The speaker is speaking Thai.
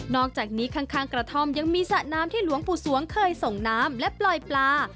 อกจากนี้ข้างกระท่อมยังมีสระน้ำที่หลวงปู่สวงเคยส่งน้ำและปล่อยปลา